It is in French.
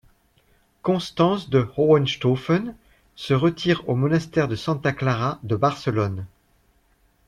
Constance de Hohenstaufen se retire au monastère de Santa Clara de Barcelone.